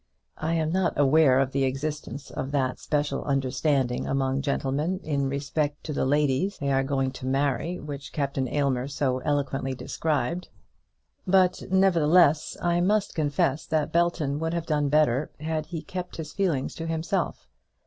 I am not aware of the existence of that special understanding among gentlemen in respect to the ladies they are going to marry which Captain Aylmer so eloquently described; but, nevertheless, I must confess that Belton would have done better had he kept his feelings to himself.